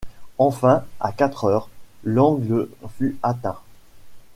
Enfin, à quatre heures, l’angle fut atteint.